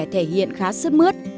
thể hiện khá sứt mướt